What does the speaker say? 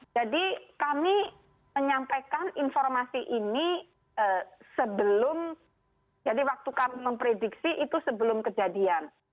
jadi kami menyampaikan informasi ini sebelum jadi waktu kami memprediksi itu sebelum kejadian